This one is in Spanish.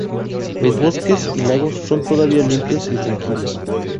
Los bosques y lagos son todavía limpios y tranquilos.